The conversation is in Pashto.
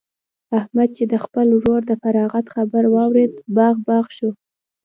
احمد چې د خپل ورور د فراغت خبر واورېد؛ باغ باغ شو.